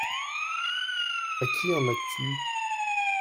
À qui en as-tu ?…